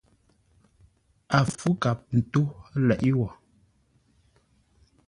A fú kap tó leʼé wo.